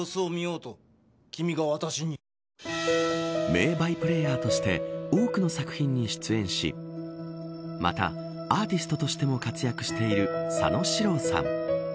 名バイプレーヤーとして多くの作品に出演しまた、アーティストとしても活躍している佐野史郎さん。